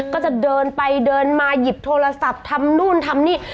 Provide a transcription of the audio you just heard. ก็จะเดินไปเดินมาหยิบโทรศัพท์ทำนู่นทำนี่